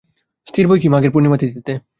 স্থির বৈকি, মাঘের পূর্ণিমাতিথিতে।